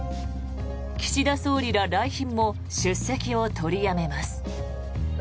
岸田総理ら来賓も出席を取りやめます。